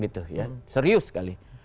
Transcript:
gitu ya serius sekali